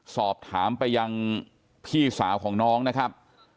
สอบถามไปยังพี่สาวของน้องนะครับ